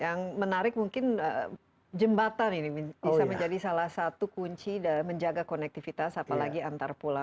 yang menarik mungkin jembatan ini bisa menjadi salah satu kunci menjaga konektivitas apalagi antar pulau